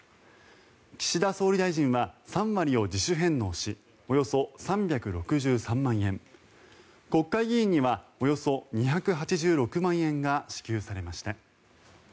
岸田総理大臣は３割を自主返納しおよそ３６３万円国会議員にはおよそ２８６万円が支給されました。